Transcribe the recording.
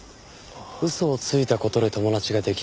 嘘をついた事で友達ができない。